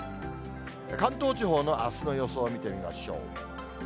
関東地方のあすの予想を見てみましょう。